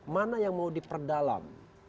mana yang mau diperdalam